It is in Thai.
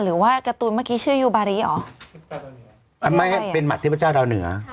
หรือว่าการ์ตูนเมื่อกี้ชื่อยูบาริเหรออันไม่ให้เป็นหัดเทพเจ้าดาวเหนือ